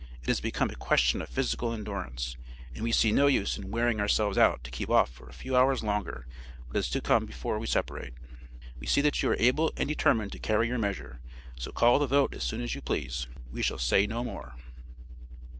It has become a question of physical endurance, and we see no use in wearing ourselves out to keep off for a few hours longer what has to come before we separate. We see that you are able and determined to carry your measure so call the vote as soon as you please. We shall say no more.'